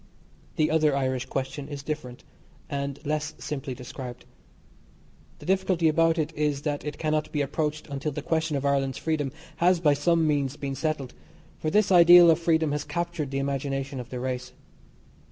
The other Irish question is different, and less simply described. The difficulty about it is that it cannot be approached until the question of Ireland's freedom has by some means been settled, for this ideal of freedom has captured the imagination of the race.